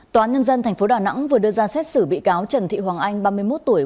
tòa án nhân dân tp đà nẵng vừa đưa ra xét xử bị cáo trần thị hoàng anh ba mươi một tuổi